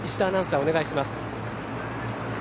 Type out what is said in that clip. お願いします。